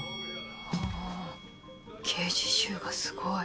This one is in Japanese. あ刑事臭がすごい。